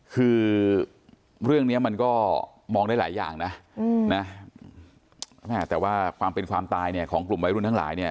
คือเรื่องนี้มันก็มองได้หลายอย่างนะแม่แต่ว่าความเป็นความตายเนี่ยของกลุ่มวัยรุ่นทั้งหลายเนี่ย